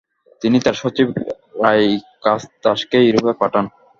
তিনি তার সচিব রাইকাইদাসকে ইউরোপ পাঠান।